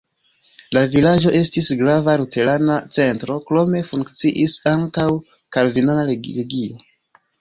La vilaĝo estis grava luterana centro, krome funkciis ankaŭ kalvinana religio.